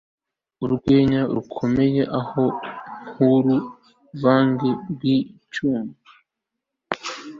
Urwenya rukomeye aho nkuruvange rwicyuma